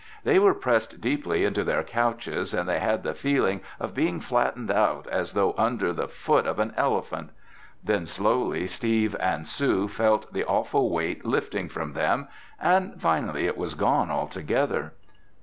They were pressed deeply into their couches and they had the feeling of being flattened out as though under the foot of an elephant. Then slowly Steve and Sue felt the awful weight lifting from them and finally it was gone altogether.